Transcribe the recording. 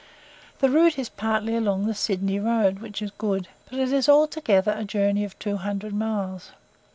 The route is partly along the Sydney road, which is good, but it is altogether a journey of two hundred miles.